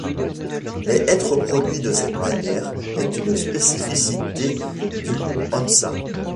Mais être produit de cette manière est une spécificité du handsa.